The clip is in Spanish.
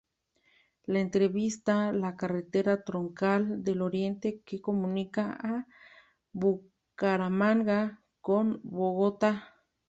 Lo atraviesa la carretera troncal del Oriente que comunica a Bucaramanga con Bogotá.